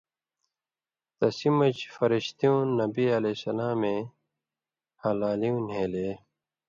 تسیۡ مژ فَرِشتیوں نبی علیہ السلامیں ہَلالیوں نھېلے